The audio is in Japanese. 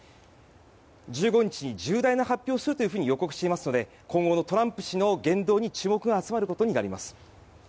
１５日に重大な発表をすると予告していますので今後のトランプ氏の言動に注目が集まることになります。